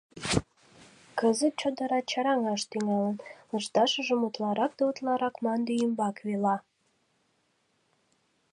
Кызыт чодыра чараҥаш тӱҥалын, лышташыжым утларак да утларак мланде ӱмбак вела.